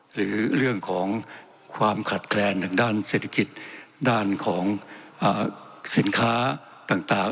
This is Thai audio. หรือเรื่องของความขัดแคลนทางด้านเศรษฐกิจด้านของสินค้าต่าง